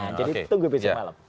nah jadi tunggu besok malam